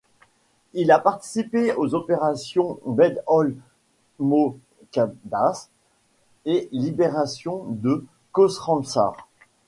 Il a participé aux Opération Beit ol-Moqaddas et libération de Khorramshahr.